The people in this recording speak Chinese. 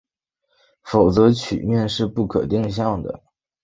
否则曲面是不可定向的。